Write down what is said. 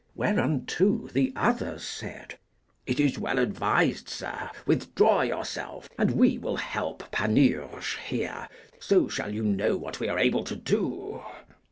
Whereunto the others said, It is well advised, sir; withdraw yourself, and we will help Panurge here, so shall you know what we are able to do.